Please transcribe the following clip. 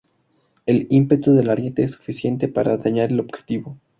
El ímpetu del ariete es suficiente para dañar el objetivo.